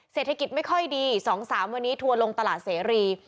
เศรษฐกิจไม่ค่อยดี๒๓วันนี้ทัวร์ลงตลาดเสรี